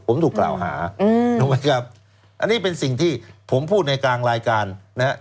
ผมถูกกล่าวหาถูกไหมครับอันนี้เป็นสิ่งที่ผมพูดในกลางรายการนะฮะ